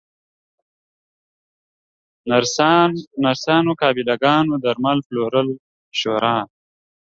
نرسانو، قابله ګانو، درمل پلورونکو شورا